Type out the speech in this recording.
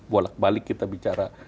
bolak balik kita bicara